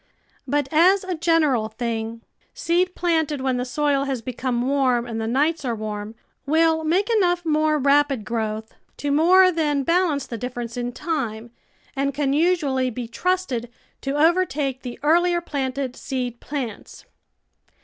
But as a general thing, seed planted when the soil has become warm and the nights are warm, will make enough more rapid growth to more than THE VEGETABLE GARDEN balance the difference in time, and can usually be trusted to overtake the earlier planted seed plants.